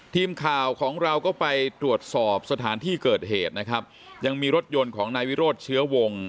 ทีมข่าวของเราก็ไปตรวจสอบสถานที่เกิดเหตุนะครับยังมีรถยนต์ของนายวิโรธเชื้อวง